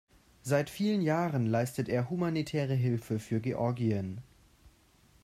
Seit vielen Jahren leistet er humanitäre Hilfe für Georgien.